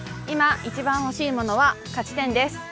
今、一番欲しいものは勝ち点です。